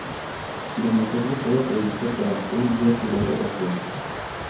La masacre estaba prevista para un día "tirado a suertes".